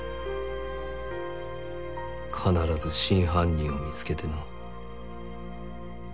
必ず真犯人を見つけてな。